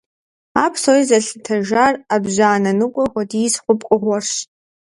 А псори зэлъытэжар Ӏэбжьанэ ныкъуэ хуэдиз хъу пкъыгъуэрщ.